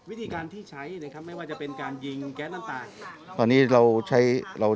วิธีการที่ใช้ไม่ว่าจะเป็นการยิงแก๊สต์นั้นต่าง